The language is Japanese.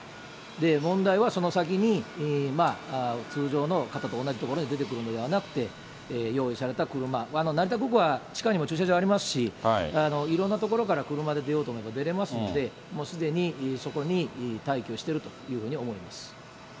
問題はその先に、通常の方と同じ所に出てくるのではなくて、用意された車、成田空港は地下にも駐車場ありますし、いろんな所から車で出ようと思えば出れますので、もうすでにそこに待機をしてるというふうに思います。